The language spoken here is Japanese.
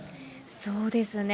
そうですね。